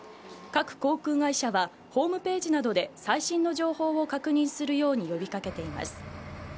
各航空会社はホームページなどで最新の情報を確認するように呼びかけています。